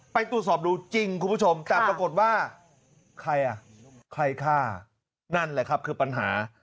ไปตรวจสอบดูจริงคุณผู้ชมแต่ปรากฏว่าใครอ่ะใครฆ่านั่นแหละครับคือปัญหา